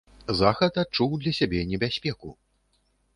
Захад адчуў для сябе небяспеку.